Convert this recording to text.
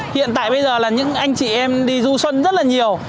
hiện tại bây giờ là những anh chị em đi du xuân rất là nhiều